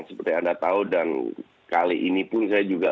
seperti anda tahu dan kali ini pun saya juga